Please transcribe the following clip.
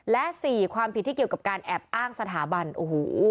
และ๔ความผิดที่เกี่ยวกับการแอบอ้างสถาบันโอ้โห